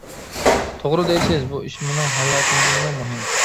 توغرا دەيسىز بۇ ئىش مېنىڭ ھاياتىمدىنمۇ مۇھىم.